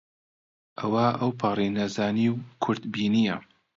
ئەوە ئەوپەڕی نەزانی و کورتبینییە